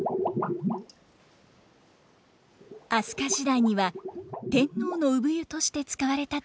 飛鳥時代には天皇の産湯として使われたといいます。